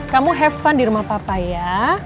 kamu have fun di rumah papa ya